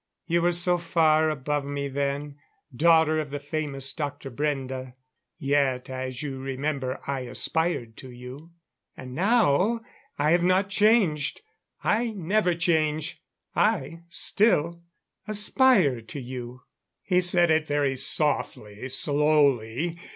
You were so far above me then daughter of the famous Dr. Brende. Yet, as you remember, I aspired to you. And now I have not changed. I never change. I still aspire to you." He said it very softly, slowly.